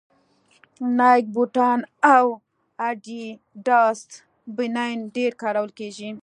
نایک بوټان او اډیډاس بنېن ډېر کارول کېږي